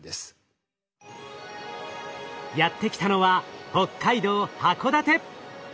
やって来たのは北海道函館。